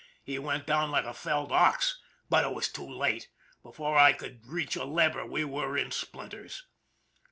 He went down like a felled ox but it was too late. Be fore I could reach a lever we were in splinters."